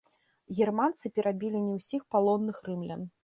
Германцы перабілі не ўсіх палонных рымлян.